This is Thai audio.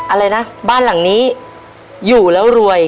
อะไรนะบ้านหลังนี้อยู่แล้วรวย